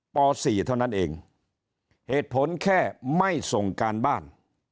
ป๔เท่านั้นเองเหตุผลแค่ไม่ส่งการบ้าน